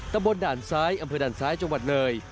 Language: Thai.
ตำบลด่านซ้ายอำเภอด่านซ้ายจังหวัดเลย